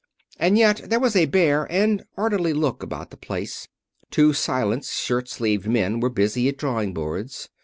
And yet there was a bare and orderly look about the place. Two silent, shirt sleeved men were busy at drawing boards.